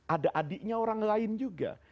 ada adiknya orang lain juga